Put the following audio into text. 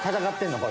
これ。